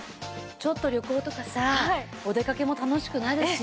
ちょっと旅行とかさお出かけも楽しくなるし。